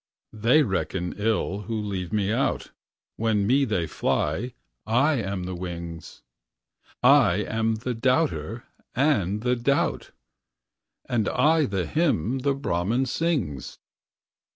They reckon ill who leave me out; When me they fly, I am the wings; I am the doubter and the doubt, And I the hymn the Brahmin sings.